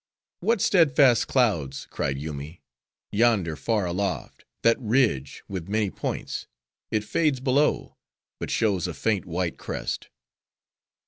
"What steadfast clouds!" cried Yoomy, "yonder! far aloft: that ridge, with many points; it fades below, but shows a faint white crest."